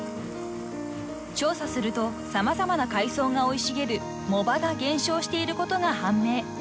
［調査すると様々な海藻が生い茂る藻場が減少していることが判明］